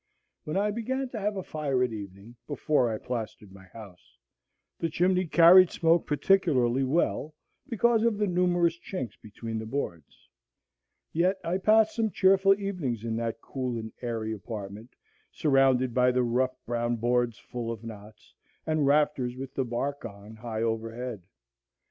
When I began to have a fire at evening, before I plastered my house, the chimney carried smoke particularly well, because of the numerous chinks between the boards. Yet I passed some cheerful evenings in that cool and airy apartment, surrounded by the rough brown boards full of knots, and rafters with the bark on high overhead.